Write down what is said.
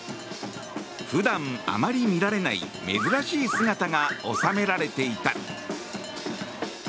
普段、あまり見られない珍しい姿が収められていた。